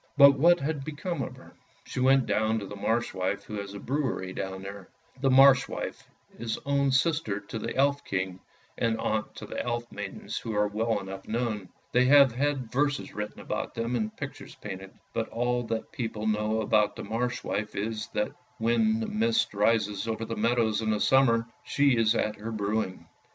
But what had become of her ? She went down to the Marsh wife who has a brewery down there. The Marsh wife is own sister to the Elf king, and aunt to the Elf maidens who are well enough known. They have had verses written about them and pictures painted; but all that people know about the Marsh wife, is that when the mist rises over the meadows in the summer, she is at her brewing.